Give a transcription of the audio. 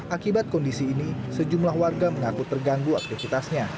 akibat kondisi ini sejumlah warga mengaku terganggu aktivitasnya